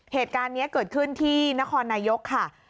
เหตุการณ์นี้เกิดขึ้นที่นครนายกค่ะ